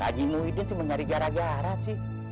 pak haji muhyiddin sih mencari gara gara sih